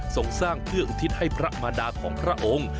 ส่งสร้างเพื่ออุทิศให้พระมารดาของพระองค์